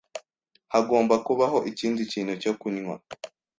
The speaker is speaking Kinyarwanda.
Hagomba kubaho ikindi kintu cyo kunywa.